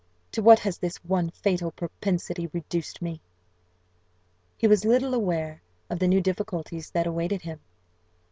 To what has this one fatal propensity reduced me!" He was little aware of the new difficulties that awaited him.